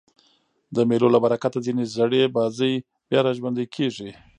د مېلو له برکته ځیني زړې بازۍ بیا راژوندۍ کېږي.